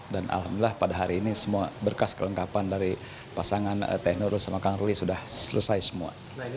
dan alhamdulillah pada hari ini semua berkas kelengkapan dari pasangan teknurul sama kang ruli sudah selesai semua